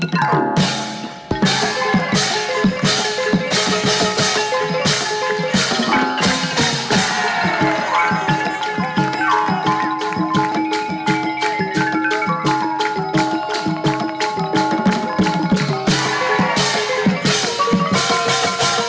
น่ารักน่ารักมากน่ารักมาก